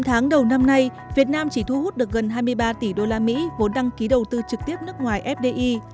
chín tháng đầu năm nay việt nam chỉ thu hút được gần hai mươi ba tỷ usd vốn đăng ký đầu tư trực tiếp nước ngoài fdi